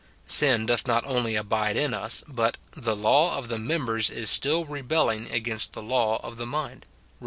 Sin doth not only abide in us, but " the law of the members is still rebelling against the law of the mind," Rom.